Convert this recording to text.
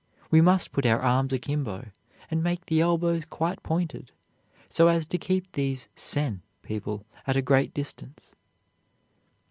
We must put our arms akimbo, and make the elbows quite pointed, so as to keep these 'sen' people at a great distance."